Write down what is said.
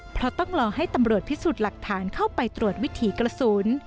เพราะต้องรอให้ตำรวจพิสูจน์หลักฐานเข้าไปตรวจวิถีกระสุน